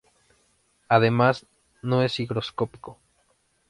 Además, no es higroscópico.